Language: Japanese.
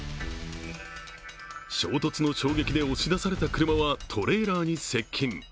衝突の衝撃で押し出された車は、トレーラーに接近。